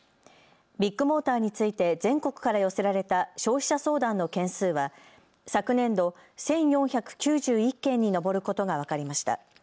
ビッグモーターについて全国から寄せられた消費者相談の件数は昨年度、１４９１件に上ることが分かりました。